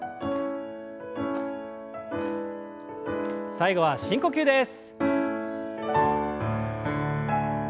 最後は深呼吸です。